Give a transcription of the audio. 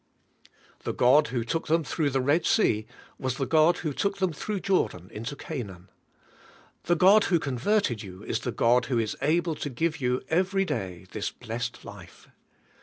The God who took them through the Red Sea was the God who took them through Jordan into Canaan. The God who converted you is the God who is able to give you every day this blessed life.